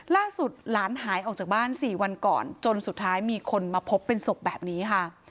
ล่าสุดหลานหายออกจากบ้าน๔วันก่อนจนสุดท้ายมีคนมาพบเป็นศพแบบนี้ค่ะ